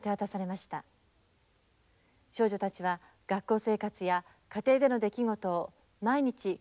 少女たちは学校生活や家庭での出来事を毎日書き続けていったんです。